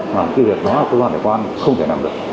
mà cái việc đó là cơ quan hải quan không thể làm được